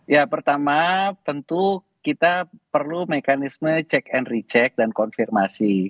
ya pertama tentu kita perlu mekanisme check and recheck dan konfirmasi